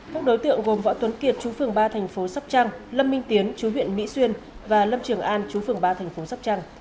các đối tượng gồm võ tuấn kiệt chú phường ba tp sóc trăng lâm minh tiến chú huyện mỹ xuyên và lâm trường an chú phường ba tp sóc trăng